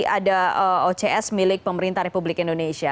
ada ocs milik pemerintah republik indonesia